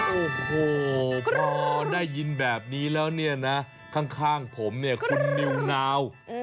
โอ้โหพอได้ยินแบบนี้แล้วเนี่ยนะข้างผมเนี่ยคุณนิวนาว